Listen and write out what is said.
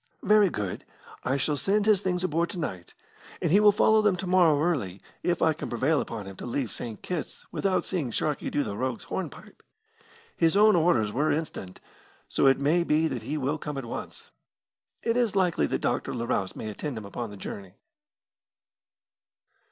"Very good. I shall send his things aboard to night; and he will follow them to morrow early if I can prevail upon him to leave St. Kitt's without seeing Sharkey do the rogue's hornpipe. His own orders were instant, so it may be that he will come at once. It is likely that Dr. Larousse may attend him upon the journey."